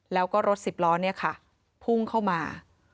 แล้วก็รถสิบล้อเนี่ยค่ะพุ่งเข้ามา